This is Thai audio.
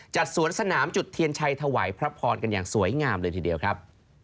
สวนสนามจุดเทียนชัยถวายพระพรกันอย่างสวยงามเลยทีเดียวครับ